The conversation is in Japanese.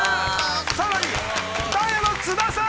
さらに、ダイアンの津田さん。